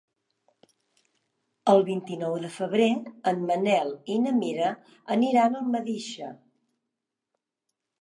El vint-i-nou de febrer en Manel i na Mira aniran a Almedíxer.